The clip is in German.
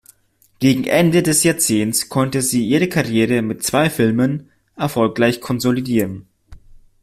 Gegen Ende des Jahrzehnts konnte sie ihre Karriere mit zwei Filmen erfolgreich konsolidieren.